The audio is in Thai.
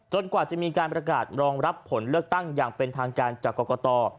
กว่าจะมีการประกาศรองรับผลเลือกตั้งอย่างเป็นทางการจากกรกต